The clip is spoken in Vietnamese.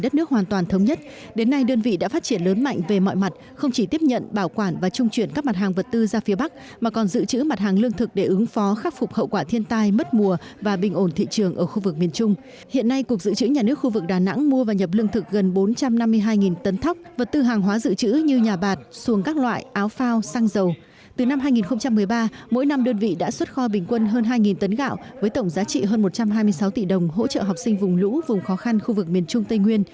trước năm đơn vị đã xuất kho bình quân hơn hai tấn gạo với tổng giá trị hơn một trăm hai mươi sáu tỷ đồng hỗ trợ học sinh vùng lũ vùng khó khăn khu vực miền trung tây nguyên